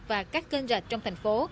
và các kênh dạch trong thành phố